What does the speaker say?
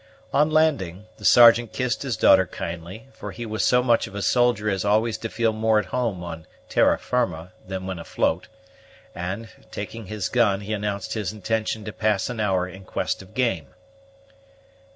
On landing, the Sergeant kissed his daughter kindly, for he was so much of a soldier as always to feel more at home on terra firma than when afloat; and, taking his gun, he announced his intention to pass an hour in quest of game.